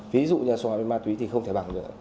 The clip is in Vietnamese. ví dụ như so với ma túy thì không thể bằng nữa